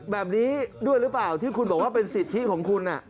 แบบนี้ด้วยหรือเปล่าที่คุณบอกว่าเป็นสิทธิของคุณ